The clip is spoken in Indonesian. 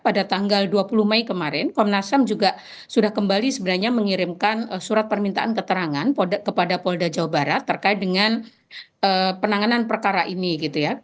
pada tanggal dua puluh mei kemarin komnas ham juga sudah kembali sebenarnya mengirimkan surat permintaan keterangan kepada polda jawa barat terkait dengan penanganan perkara ini gitu ya